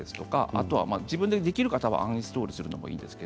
あとは自分でできる方はアンインストールするといいと思います。